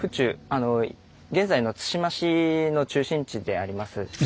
あの現在の対馬市の中心地であります。